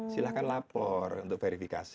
silahkan lapor untuk verifikasi